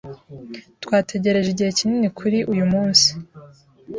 Twategereje igihe kinini kuri uyumunsi.